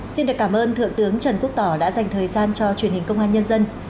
xin được cảm ơn thượng tướng trần quốc tỏ đã dành thời gian cho truyền hình công an nhân dân